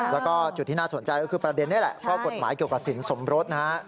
แล้วก็จุดที่น่าสนใจก็คือประเด็นนี้แหละข้อกฎหมายเกี่ยวกับสินสมรสนะฮะ